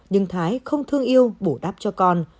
nhưng thái không thương yêu bổ đáp cho con